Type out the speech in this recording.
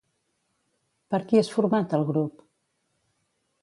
Per qui és format el grup?